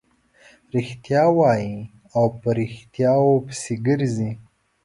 رښتیا وايي او په ريښتیاوو پسې ګرځي.